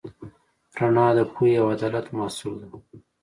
رڼا د پوهې او عدالت محصول ده.